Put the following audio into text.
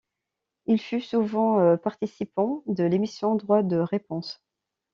Il fut souvent participant de l'émission Droit de réponse.